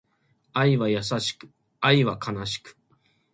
愛は優しく、愛は悲しく